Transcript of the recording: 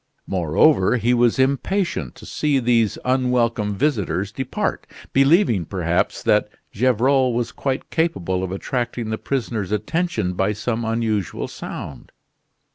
Moreover, he was impatient to see these unwelcome visitors depart; believing, perhaps, that Gevrol was quite capable of attracting the prisoner's attention by some unusual sound.